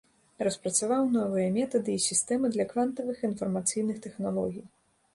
Распрацаваў новыя метады і сістэмы для квантавых інфармацыйных тэхналогій.